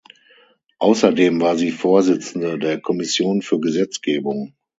Außerdem war sie Vorsitzende der Kommission für Gesetzgebung.